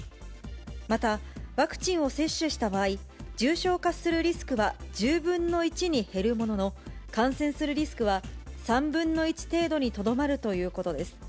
また、ワクチンを接種した場合、重症化するリスクは１０分の１に減るものの、感染するリスクは３分の１程度にとどまるということです。